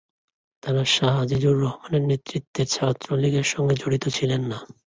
তারা শাহ আজিজুর রহমানের নেতৃত্বের ছাত্রলীগের সঙ্গে জড়িত ছিলেন না।